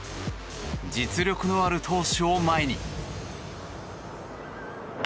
実力のある投手を前に。